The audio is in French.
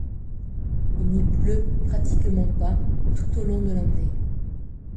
Il n'y pleut pratiquement pas tout au long de l'année.